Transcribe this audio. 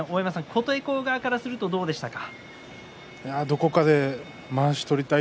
琴恵光側からするとどうですか。